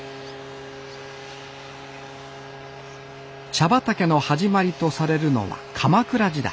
茶畑の始まりとされるのは鎌倉時代。